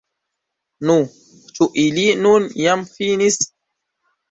Nu, ĉu ili nun jam finis?